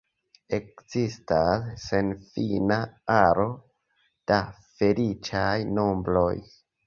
Ekzistas senfina aro da feliĉaj nombroj.